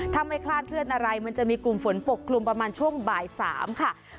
ถ้าไม่คลาดเคลื่อนอะไรมันจะมีกลุ่มฝนปกกลุ่มประมาณช่วงบ่าย๓ค่ะ